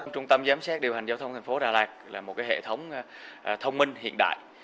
trung tâm giám sát điều hành giao thông thành phố đà lạt là một hệ thống thông minh hiện đại